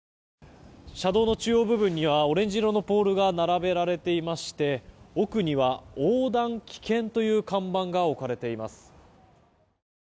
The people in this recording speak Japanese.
車道の中央部分にはオレンジ色のポールが並べられていまして奥には、横断危険という看板が置かれています。